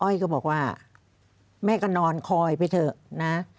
ก็บอกว่าแม่ก็นอนคอยไปเถอะนะ